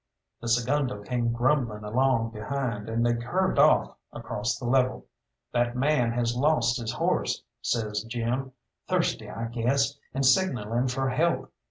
The segundo came grumbling along behind, and they curved off across the level. "That man has lost his horse," says Jim; "thirsty, I guess, and signalling for help.